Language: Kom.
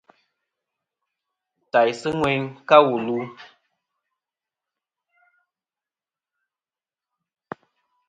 Tàysɨ ŋweyn ka wù lu.